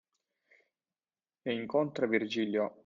E incontra Virgilio